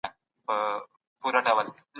د هېواد د پرمختګ لپاره نړيوالي اړيکې پراخې سوې وې.